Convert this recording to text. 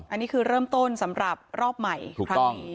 อันนี้คือเริ่มต้นสำหรับรอบใหม่ถูกต้อง